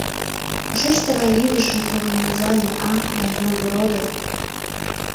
Кушеч тыгай илышже толын вузале, а, Яҥгелде родо?